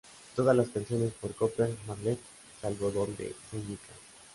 Todas las canciones por Cooper-Marlette, salvo donde se indica.